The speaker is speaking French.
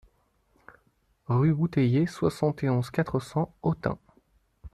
Rue Bouteiller, soixante et onze, quatre cents Autun